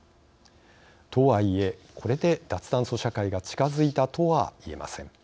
とはいえ、これで脱炭素社会が近づいたとはいえません。